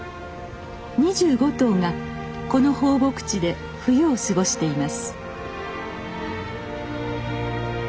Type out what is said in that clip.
２５頭がこの放牧地で冬を過ごしています。